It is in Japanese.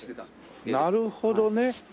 あっなるほどね。